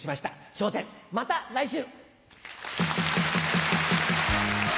『笑点』また来週！